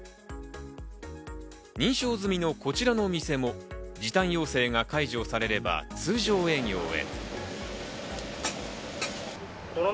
認証済みのこちらのお店も時短要請が解除されれば通常営業へ。